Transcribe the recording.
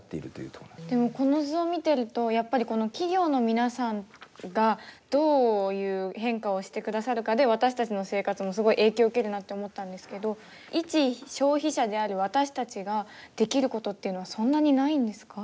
でもこの図を見てるとやっぱりこの企業の皆さんがどういう変化をしてくださるかで私たちの生活もすごい影響受けるなって思ったんですけど一消費者である私たちができることっていうのはそんなにないんですか？